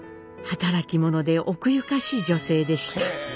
働き者で奥ゆかしい女性でした。